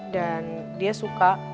dan dia suka